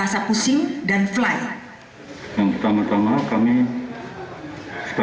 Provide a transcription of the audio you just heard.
karena pusingnya disadari dia o declarasi rusak